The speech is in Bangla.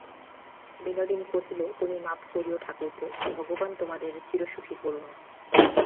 বিনোদিনী কহিল, তুমিও মাপ করিয়ো ঠাকুরপো, ভগবান তোমাদের চিরসুখী করুন।